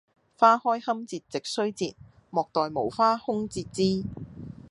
花開堪折直須折，莫待無花空折枝！